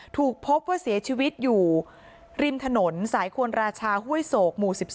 ถูกพบว่าเสียชีวิตอยู่ริมถนนสายควรราชาห้วยโศกหมู่๑๒